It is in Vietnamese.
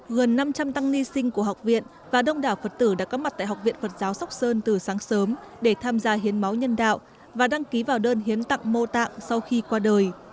gần năm trăm linh tăng ni sinh của học viện và đông đảo phật tử đã có mặt tại học viện phật giáo sóc sơn từ sáng sớm để tham gia hiến máu nhân đạo và đăng ký vào đơn hiến tặng mô tạng sau khi qua đời